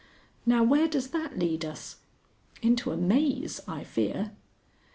Now where does that lead us? Into a maze, I fear."